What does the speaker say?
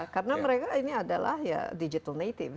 karena mereka ini adalah digital native